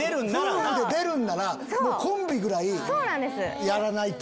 夫婦で出るんならコンビぐらいやらないと。